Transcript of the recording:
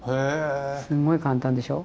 すごい簡単でしょ？